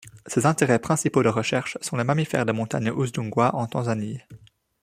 Ses intérêts principaux de recherche sont les mammifères des Montagnes Uzdungwa, en Tanzanie.